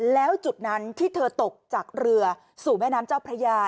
แล้วจุดนั้นที่เธอตกจากเรือสู่แม่น้ำเจ้าพระยา